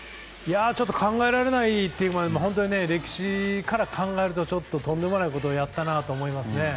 ちょっと考えられないというぐらい本当に歴史から考えるとちょっととんでもないことをやったなと思いますね。